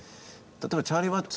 例えばチャーリー・ワッツ。